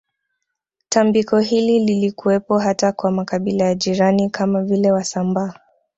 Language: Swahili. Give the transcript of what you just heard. Tambiko hili lilikuwepo hata kwa makabila ya jirani kama vile wasambaa